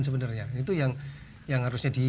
sebenarnya itu yang harusnya